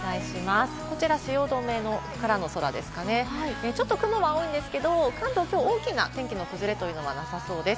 こちら汐留からの空ですかね、ちょっと雲は多いんですけれども、きょうは、関東は天気の崩れはなさそうです。